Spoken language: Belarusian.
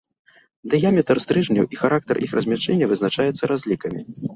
Дыяметр стрыжняў і характар іх размяшчэння вызначаецца разлікамі.